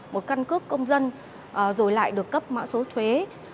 một căn cước công dân rồi lại được cấp mã số thuế